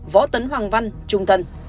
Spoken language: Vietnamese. võ tấn hoàng văn trung thân